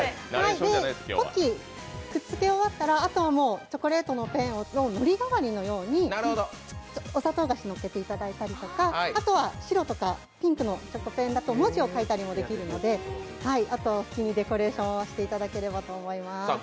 ポッキー、くっつけ終わったらチョコレートのペンをのり代わりにお砂糖菓子をのっけていただいたりとか、あとは白とかピンクのチョコペンだと文字を書いたりできるのであとはお好きにデコレーションをしていただければと思います。